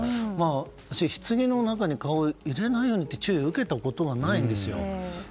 私、棺の中に顔を入れないようにという注意を受けたことがないんですよ。